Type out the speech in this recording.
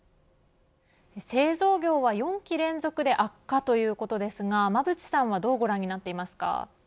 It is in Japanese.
製造業は４期連続で悪化ということですが馬渕さんはどうご覧になっていますか。